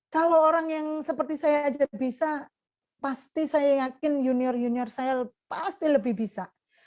kalau orang yang seperti saya aja bisa pasti saya yakin junior junior saya pasti lebih bisa